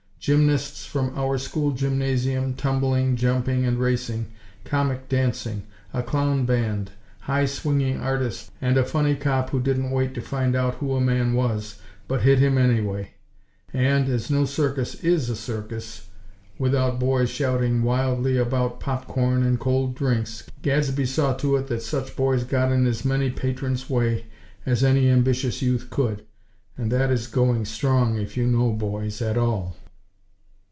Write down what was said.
Gymnasts from our school gymnasium, tumbling, jumping and racing; comic dancing; a clown band; high swinging artists, and a funny cop who didn't wait to find out who a man was, but hit him anyway. And, as no circus is a circus without boys shouting wildly about pop corn and cold drinks, Gadsby saw to it that such boys got in as many patrons' way as any ambitious youth could; and that is "going strong," if you know boys, at all!